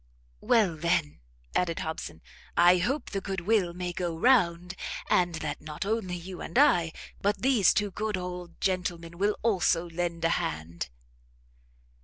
"Well, then," added Hobson, "I hope the good will may go round, and that not only you and I, but these two good old gentlemen will also lend a hand."